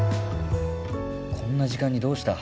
こんな時間にどうした？